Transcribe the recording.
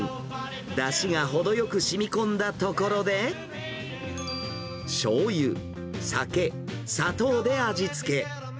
だしが程よくしみこんだところでしょうゆ、酒、砂糖で味付け。